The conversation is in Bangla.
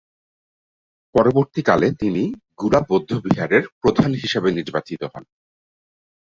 পরবর্তীকালে তিনি গু-রা বৌদ্ধবিহারের প্রধান হিসেবে নির্বাচিত হন।